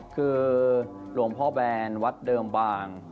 คือหลวงพ่อแบนวัดเดิมบาง